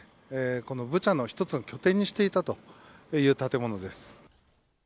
このブチャの一つの拠点にしていたという建物です。